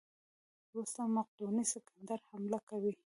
وروسته مقدوني سکندر حمله کوي.